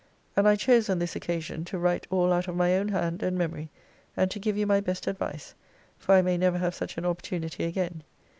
And I chose, on this occasion, to write all out of my own hand and memory; and to give you my best advice; for I may never have such an opportunity again.